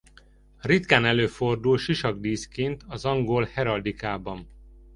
Ritkán előfordul sisakdíszként az angol heraldikában.